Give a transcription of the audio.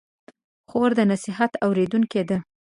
خور د نصیحت اورېدونکې ده.